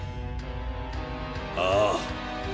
ああ。